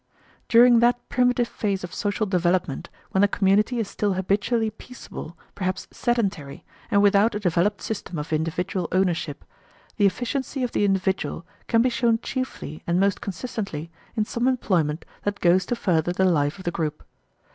During that primitive phase of social development, when the community is still habitually peaceable, perhaps sedentary, and without a developed system of individual ownership, the efficiency of the individual can be shown chiefly and most consistently in some employment that goes to further the life of the group.